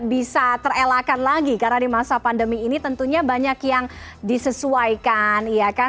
bisa terelakkan lagi karena di masa pandemi ini tentunya banyak yang disesuaikan ya kan